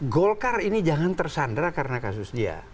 golkar ini jangan tersandra karena kasus dia